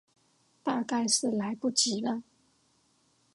大概是来不及了